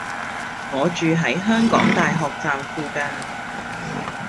我住喺香港大學站附近